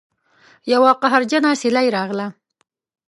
یوه قهرجنه سیلۍ راغله